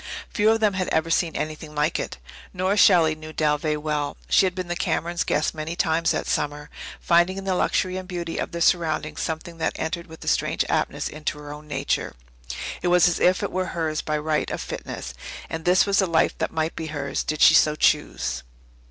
Few of them had ever seen anything like it. Nora Shelley knew Dalveigh well. She had been the Camerons' guest many times that summer, finding in the luxury and beauty of their surroundings something that entered with a strange aptness into her own nature. It was as if it were hers by right of fitness. And this was the life that might be hers, did she so choose.